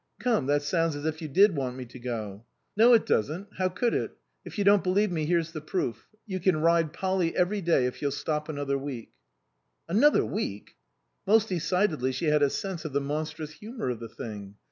" Come, that sounds as if you did want me to go "" No it doesn't. How could it ? If you don't believe me, here's the proof you can ride Polly every day if you'll stop another week." Another week ! Most decidedly she had a sense of the monstrous humour of the thing.